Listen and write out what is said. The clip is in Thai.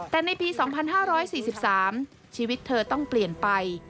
แต่ในปี๒๕๔๓ชีวิตเธอต้องเปลี่ยนไป